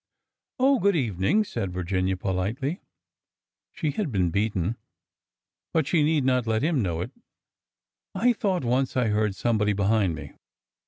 " Oh, good evening !" said Virginia, politely. She had been beaten, but she need not let him know it. I thought once I heard somebody behind me."